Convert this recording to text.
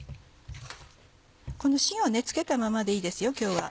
このしんを付けたままでいいですよ今日は。